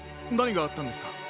なにがあったんですか？